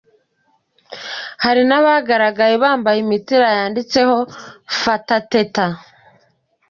Hari n’abagaragaye bambaye imipira yanditseho ‘Fata Teta’.